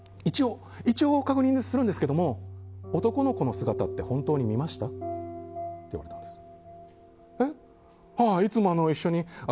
一応、確認するんですけども男の子の姿って本当に見ました？って言うんですよ。